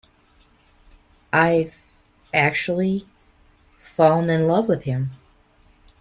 I've actually fallen in love with him.